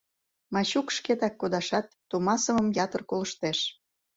Мачук шкетак кодашат, тумасымым ятыр колыштеш.